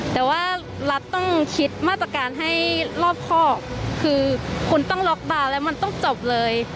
แต่ว่ารัฐต้องคิดมาตรการให้รอบครอบคือคุณต้องล็อกดาวน์แล้วมันต้องจบเลย